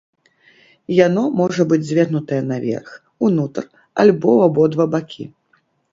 Яно можа быць звернутае наверх, унутр альбо ў абодва бакі.